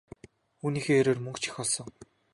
Үүнийхээ хэрээр мөнгө ч их олсон.